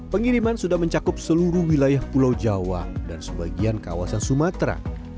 pengiriman sudah mencakup seluruh wilayah pulau jawa dan sebagian kawasan sumatera